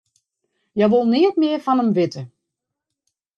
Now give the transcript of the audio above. Hja wol neat mear fan him witte.